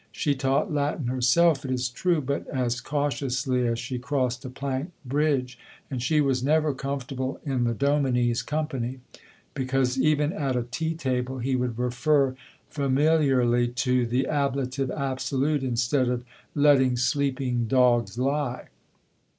She taught Latin herself, it is true, but as cautiously as she crossed a plank bridge, and she was never comfortable in the dominie's company, because even at a tea table he would refer familiarly to the ablative absolute instead of letting sleeping dogs lie.